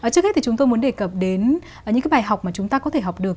trước hết thì chúng tôi muốn đề cập đến những cái bài học mà chúng ta có thể học được